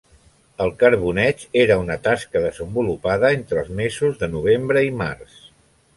El carboneig era una tasca desenvolupada entre els mesos de novembre i març.